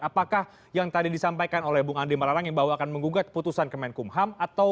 apakah yang tadi disampaikan oleh bung andi melarang yang bahwa akan menggugat keputusan kemenkumham